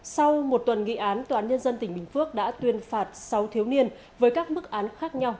sau một tuần nghị án tòa án nhân dân tỉnh bình phước đã tuyên phạt sáu thiếu niên với các mức án khác nhau